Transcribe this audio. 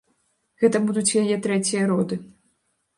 Гэта будуць яе трэція роды.